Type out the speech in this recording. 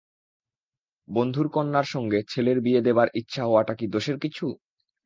বন্ধুর কন্যার সঙ্গে ছেলের বিয়ে দেবার ইচ্ছা হওয়াটা কি দোষের কিছু?